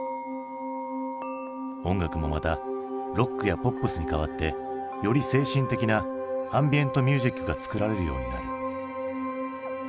音楽もまたロックやポップスに代わってより精神的なアンビエントミュージックが作られるようになる。